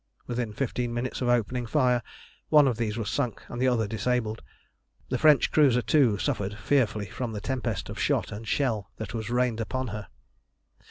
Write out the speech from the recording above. Within fifteen minutes of opening fire one of these was sunk and the other disabled. The French cruiser, too, suffered fearfully from the tempest of shot and shell that was rained upon her.